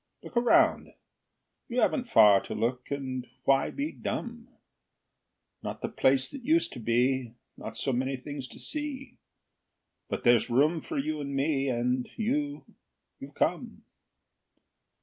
Look around you haven't far To look and why be dumb? Not the place that used to be, Not so many things to see; But there's room for you and me. And you you've come.